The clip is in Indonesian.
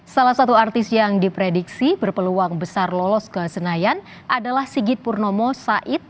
salah satu artis yang diprediksi berpeluang besar lolos ke senayan adalah sigit purnomo said